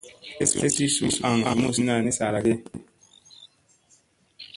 Tlesu ti suu aŋ zumsina ni saara ge ?